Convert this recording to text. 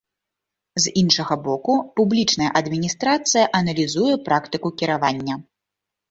З іншага боку, публічная адміністрацыя аналізуе практыку кіравання.